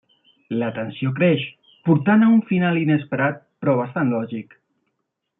La tensió creix, portant a un final inesperat però bastant lògic.